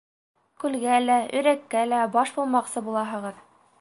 — Күлгә лә, өйрәккә лә баш булмаҡсы булаһығыҙ.